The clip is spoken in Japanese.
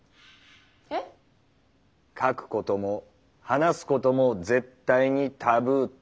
えっ？書くことも話すことも絶対に「タブー」ってことだ。